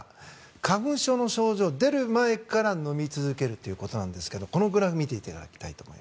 花粉症の症状、出る前から飲み続けるということなんですがこのグラフをご覧ください。